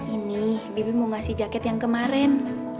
ini bibi mau ngasih jaket yang kemarin